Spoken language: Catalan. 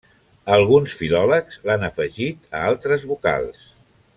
Alguns filòlegs l'han afegit a altres vocals.